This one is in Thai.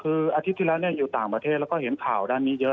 คืออาทิตย์ที่แล้วอยู่ต่างประเทศแล้วก็เห็นข่าวด้านนี้เยอะ